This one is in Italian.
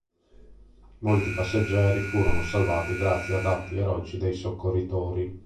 Molti passeggeri furono salvati grazie ad atti eroici dei soccorritori.